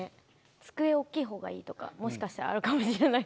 机大きいほうがいいとかもしかしたらあるかもしれないですね。